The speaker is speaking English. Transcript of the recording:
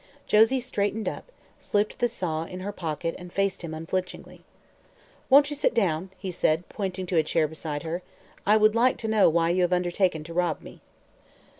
Josie straightened up, slipped the saw in her pocket and faced him unflinchingly. "Won't you sit down?" he said, pointing to a chair beside her. "I would like to know why you have undertaken to rob me."